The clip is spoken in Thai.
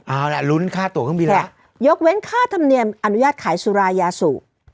เอาล่ะลุ้นค่าตั๋วข้างบินละค่ะยกเว้นค่าธรรมเนียมอนุญาตขายสุรายาสุ